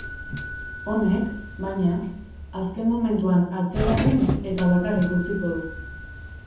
Honek, baina, azken momentuan atzera egin eta bakarrik utziko du.